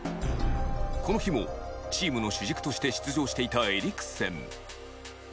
この日もチームの主軸として出場していたエリクセン。